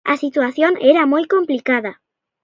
A situación era moi complicada.